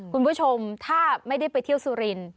คุณผู้ชมถ้าไม่ได้ไปเที่ยวสุรินทร์